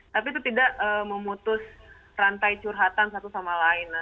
tapi itu tidak memutus rantai curhatan satu sama lain